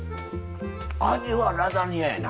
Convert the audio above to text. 味はラザニアやな。